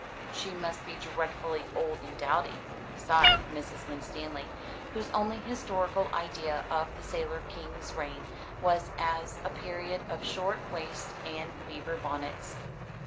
"She must be dreadfully old and dowdy," sighed Mrs. Winstanley, whose only historical idea of the Sailor King's reign was as a period of short waists and beaver bonnets.